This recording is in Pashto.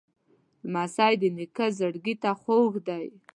لمسی د نیکه زړګي ته خوږ دی.